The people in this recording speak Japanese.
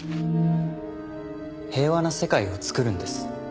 平和な世界をつくるんです。